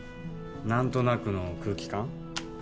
何となくの空気感？